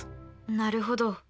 なるほど。